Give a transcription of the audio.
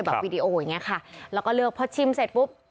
วีดีโออย่างเงี้ยค่ะแล้วก็เลือกพอชิมเสร็จปุ๊บ